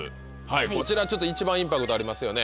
こちら一番インパクトありますよね。